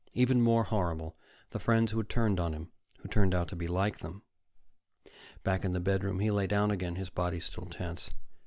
Even more horrible, the friends who had turned on him, who turned out to be like them. Back in the bedroom, he lay down again, his body still tense.